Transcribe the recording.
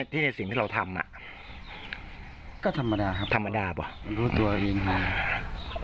ที่ในสิ่งที่เราทำอ่ะก็ธรรมดาครับธรรมดาเปล่ารู้ตัวอีก